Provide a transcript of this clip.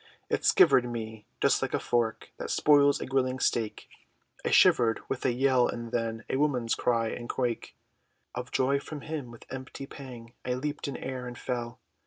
It skivered me, just like the fork, That spoils a grilling steak, I shivered, with a yell, and then, A woman's cry, and crake Of joy from him, with mighty pang, I leaped in air, and fell!